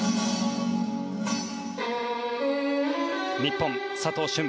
日本、佐藤駿。